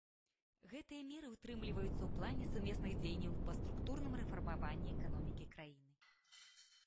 Гэтыя меры ўтрымліваюцца ў плане сумесных дзеянняў па структурным рэфармаванні эканомікі краіны.